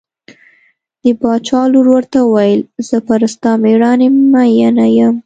د باچا لور ورته وویل زه پر ستا مېړانې مینه یم.